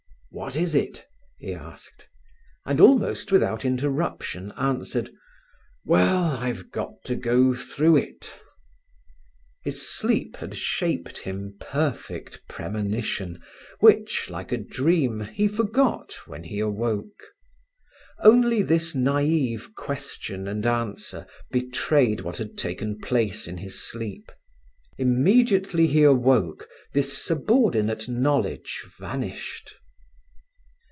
"What is it?" he asked, and almost without interruption answered: "Well, I've got to go through it." His sleep had shaped him perfect premonition, which, like a dream, he forgot when he awoke. Only this naïve question and answer betrayed what had taken place in his sleep. Immediately he awoke this subordinate knowledge vanished.